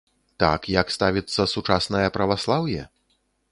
Так, як ставіцца сучаснае праваслаўе?